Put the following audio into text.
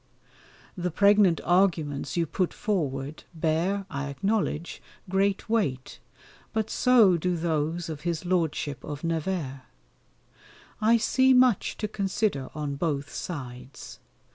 The pregnant arguments you put forward bear, I acknowledge, great weight, but so do those of his Lordship of Nevers. I see much to consider on both sides.